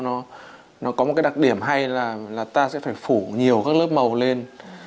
nó có một cái đặc điểm hay là ta sẽ phải phủ nhiều các lớp màu lên